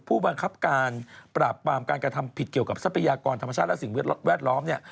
ผู้บังคับการปราบปรามการกระทำผิดเกี่ยวกับทรัพยากรธรรมชาติและสิ่งแวดล้อมเนี่ย